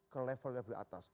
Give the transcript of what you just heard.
ke level yang lebih atas